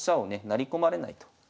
成り込まれないと。